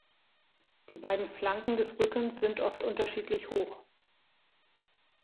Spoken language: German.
Die beiden Flanken des Rückens sind oft unterschiedlich hoch.